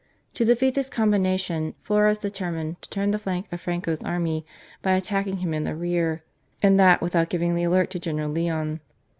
To defeat this combination, Flores determined to turn the flank of Franco's army by attacking him in the rear, and that without giving the alert to General Leon.